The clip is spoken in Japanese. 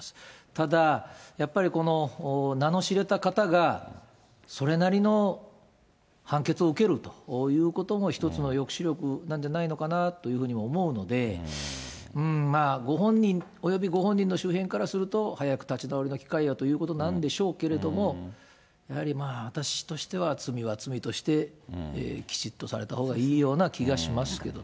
ただ、やっぱりこの名の知れた方が、それなりの判決を受けるということも一つの抑止力なんじゃないのかなというふうに思うので、ご本人及びご本人の周辺からすると、早く立ち直りの機会をということなんでしょうけれども、やはり私としては、罪は罪としてきちっとされたほうがいいような気がしますけどね。